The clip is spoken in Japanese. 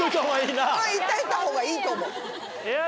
行っといたほうがいいと思う。